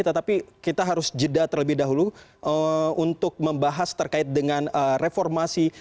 tetapi kita harus jeda terlebih dahulu untuk membahas terkait dengan reformasi